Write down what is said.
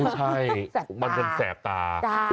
ใช่มันจะแสบตา